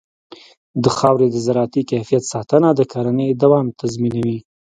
د خاورې د زراعتي کیفیت ساتنه د کرنې دوام تضمینوي.